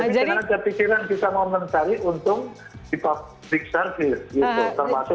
jadi tidak ada pikiran kita mau mencari untung di public service gitu